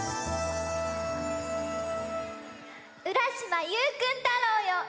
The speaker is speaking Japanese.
うらしまゆうくん太郎よ！